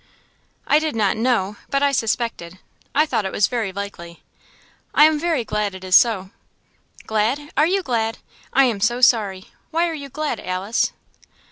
"I did not know, but I suspected. I thought it was very likely. I am very glad it is so." "Glad! are you glad? I am so sorry. Why are you glad, Alice?"